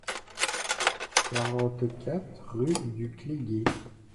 quarante-quatre rue du Cléguer